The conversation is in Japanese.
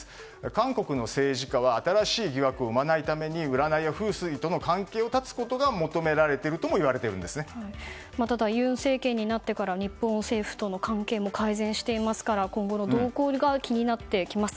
韓国の政治家は新しい疑惑を生まないために占いや風水との関係を断つことが求められているともただ、尹政権になって日本政府との関係も改善していますから今後の動向が気になってきます。